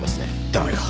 駄目か。